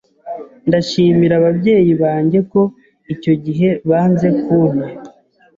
ndashimira ababyeyi banjye ko icyo gihe banze kunta